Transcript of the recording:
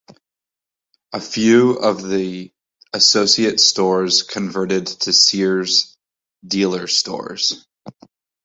A few of the associate stores converted to Sears Dealer stores.